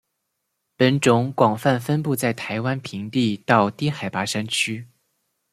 本种广泛分布在台湾平地到低海拔山区。